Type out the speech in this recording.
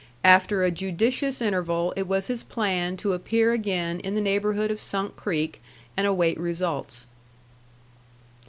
After a judicious interval it was his plan to appear again in the neighborhood of Sunk Creek and await results.